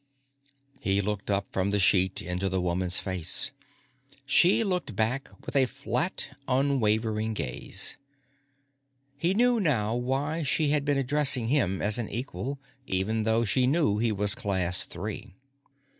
He looked up from the sheet, into the woman's face. She looked back with a flat, unwavering gaze. He knew now why she had been addressing him as an equal, even though she knew he was Class Three.